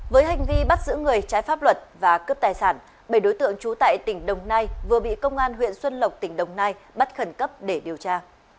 với hành vi bắt giữ người trái pháp luật và cướp tài sản bảy đối tượng trú tại tỉnh đồng nai vừa bị công an huyện xuân lộc tỉnh đồng nai bắt khẩn cấp để điều tra